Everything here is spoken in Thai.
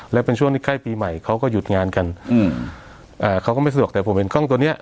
และเป็นช่วงที่ใกล้ปีใหม่เขาก็หยุดงานกันอืมอ่าเขาก็ไม่สะดวกแต่ผมเห็นกล้องตัวเนี้ย